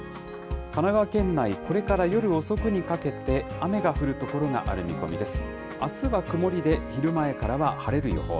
神奈川県内、これから夜遅くにかけて、雨が降る所がある見込みです。